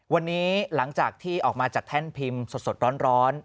วันนี้หลังจากที่ออกมาจากแท่นพิมพ์สดร้อน